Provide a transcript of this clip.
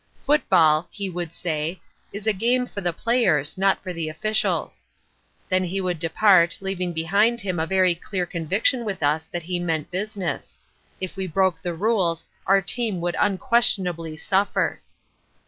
"Football," he would say, "is a game for the players, not for the officials." Then he would depart, leaving behind him a very clear conviction with us that he meant business. If we broke the rules our team would unquestionably suffer.